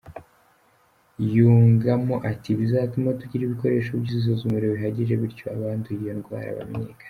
Yongamo ati “Bizatuma tugira ibikoresho by’isuzumiro bihagije bityo abanduye iyo ndwara bamenyekane.